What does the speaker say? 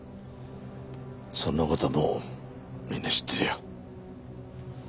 そんな事はもうみんな知ってるよ。